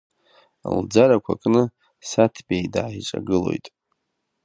Лӡарақәа кны Саҭбеи дааиҿагылоит.